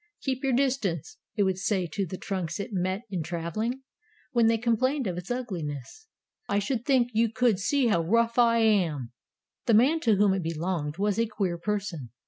"Keep your distance,'' it would say to the trunks it met in traveling, when they complained of its ugliness. " I should think you could see how rough I am." The man to whom it belonged was a queer person.